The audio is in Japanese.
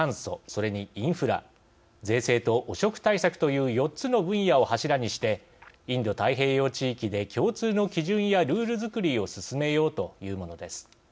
それにインフラ税制と汚職対策という４つの分野を柱にしてインド太平洋地域で共通の基準やルールづくりを進めようというものです。